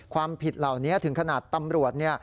ความผิดเหล่านี้ถึงขนาดตำรวจ